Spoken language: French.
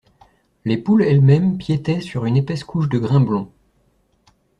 Les poules elles-mêmes piétaient sur une épaisse couche de grains blonds.